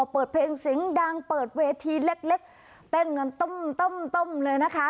เปิดเพลงเสียงดังเปิดเวทีเล็กเต้นกันตุ้มเลยนะคะ